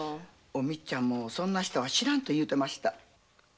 お光ちゃんもそんな人は知らんって言ってました。